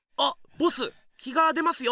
ボス日が出ますよ！